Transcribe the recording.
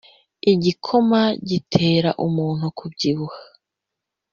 Igikoma gitera umuntu kubyibuha